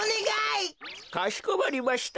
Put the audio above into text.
かしこまりました。